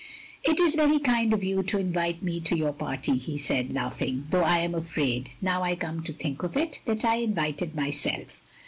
" "It is very kind of you to invite me to your party," he said, laughing, "though I am afraid, now I come to think of it, that I invited myself!"